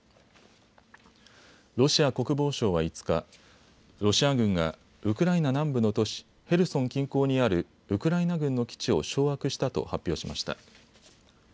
ロシア国防省は５日、ロシア軍がウクライナ南部の都市、ヘルソン近郊にあるウクライナ軍の基地を掌握したと発表しました。